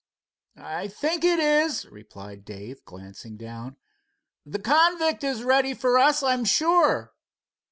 "I think it is," replied Dave, glancing down. "The convict is ready for us, I am sure."